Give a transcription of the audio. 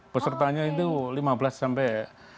pesertanya itu lima belas sampai